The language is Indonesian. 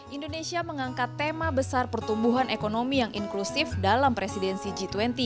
indonesia mengangkat tema besar pertumbuhan ekonomi yang inklusif dalam presidensi g dua puluh